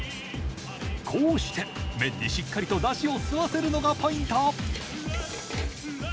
こうして麺にしっかりとだしを吸わせるのがポイント